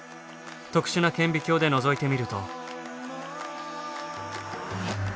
特殊な顕微鏡でのぞいてみると。